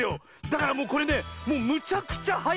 だからもうこれねもうむちゃくちゃはやる！